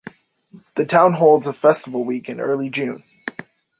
The town holds a Festival Week in early June.